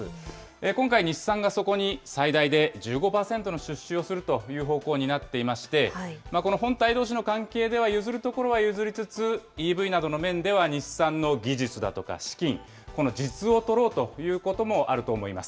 今回、日産がそこに最大で１５％の出資をするという方向になっていまして、この本体どうしの関係では譲ることは譲りつつ、ＥＶなどの面では、日産の技術だとか資金、この実を取ろうということもあると思います。